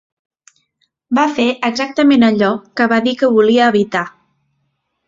Va fer exactament allò que va dir que volia evitar.